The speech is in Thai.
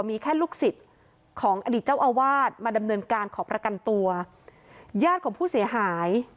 มีแค่ลูกศิษย์ของอดีตเจ้าอาวาสมาดำเนินการขอประกันตัวญาติของผู้เสียหาย